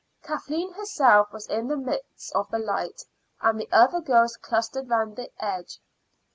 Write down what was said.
Kathleen herself was in the midst of the light, and the other girls clustered round the edge.